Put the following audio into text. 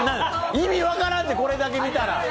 意味分からんて、これだけ見たら。